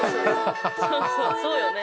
そうよね。